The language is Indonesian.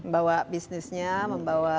bawa bisnisnya membawa investasinya